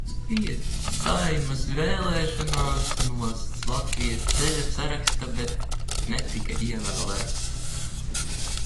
"Saeimas vēlēšanās no "Latvijas Ceļa" saraksta, bet netika ievēlēts."